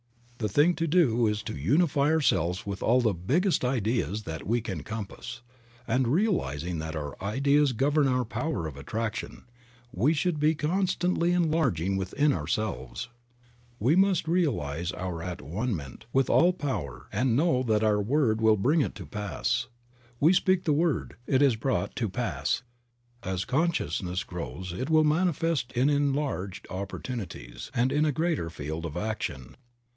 The thing to do is to unify ourselves with all the biggest ideas that we can compass; and realizing that our ideas govern our power of attraction, we should be con stantly enlarging within ourselves. We must realize our 66 Creative Mind. at one ment with All Power and know that our word will bring it to pass. We speak the word, it is brought to pass of As consciousness grows it will manifest in enlarged oppor tunities and a greater field of action.